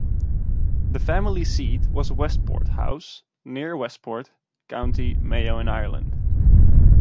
The family seat was Westport House, near Westport, County Mayo in Ireland.